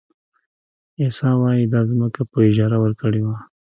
عیسی وایي دا ځمکه په اجاره ورکړې وه.